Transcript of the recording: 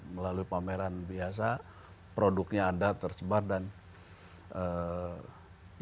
melalui pameran biasa produknya ada tersebar dan